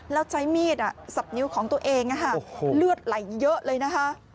แล้วใช้มีดอ่ะสับนิ้วของตัวเองอ่ะฮะโอ้โหเลือดไหลเยอะเลยนะคะ